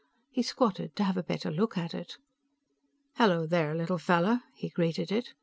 He squatted to have a better look at it. "Hello there, little fellow," he greeted it.